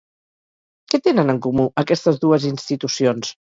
Què tenen, en comú, aquestes dues institucions?